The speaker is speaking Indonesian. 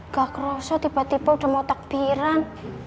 gak krosot tiba tiba udah mau takbiran